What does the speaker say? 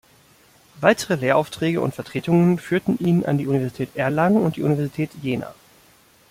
Weitere Lehraufträge und Vertretungen führten ihn an die Universität Erlangen und die Universität Jena.